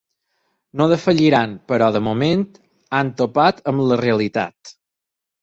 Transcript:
No defalliran, però de moment, han topat amb la realitat.